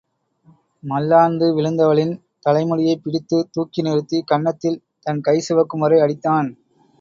மல்லாந்து விழுந்தவளின் தலைமுடியைப் பிடித்துத் தூக்கி நிறுத்தி கன்னத்தில் தன் கை சிவக்கும் வரை அடித்தான்.